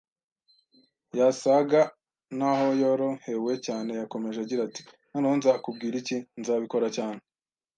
yasaga naho yorohewe cyane. Yakomeje agira ati: “Noneho, nzakubwira iki.” “Nzabikora cyane